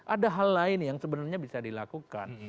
ada hal lain yang sebenarnya bisa dilakukan